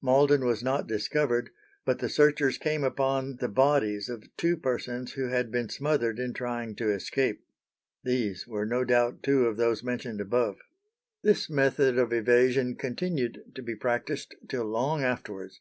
Malden was not discovered, but the searchers came upon "the bodies of two persons who had been smothered in trying to escape." These were no doubt two of those mentioned above. This method of evasion continued to be practised till long afterwards.